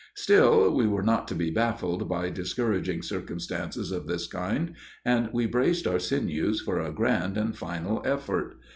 Still we were not to be baffled by discouraging circumstances of this kind, and we braced our sinews for a grand and final effort.